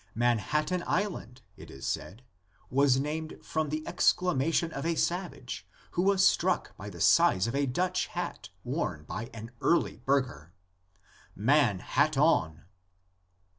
Manhattan Island, it is said, was named from the exclamation of a savage who was struck by the size of a Dutch hat worn by an early burgher, "Man hat on!"